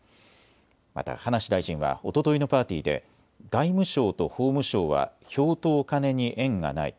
また葉梨大臣はおとといのパーティーで外務省と法務省は票とお金に縁がない。